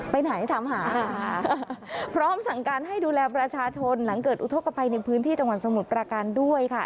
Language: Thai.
ไปไหนถามหาพร้อมสั่งการให้ดูแลประชาชนหลังเกิดอุทธกภัยในพื้นที่จังหวัดสมุทรประการด้วยค่ะ